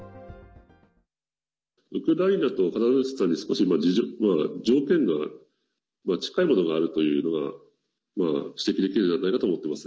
ウクライナとカザフスタンに少し条件が近いものがあるというのが指摘できるのではないかと思っています。